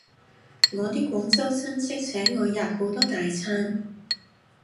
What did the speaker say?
我啲廣州親戚請我吔好多大餐